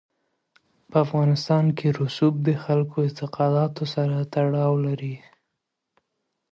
په افغانستان کې رسوب د خلکو د اعتقاداتو سره تړاو لري.